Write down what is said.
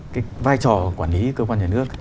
cái vai trò quản lý cơ quan nhà nước